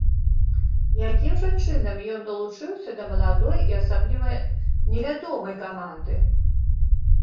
Якім жа чынам ён далучыўся да маладой і асабліва невядомай каманды?